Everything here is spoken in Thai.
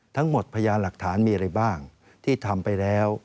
พยานหลักฐานมีอะไรบ้างที่ทำไปแล้ว